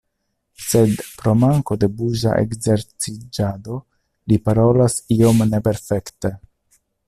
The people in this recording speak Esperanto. Sed, pro manko de buŝa ekzerciĝado, li parolas iom neperfekte.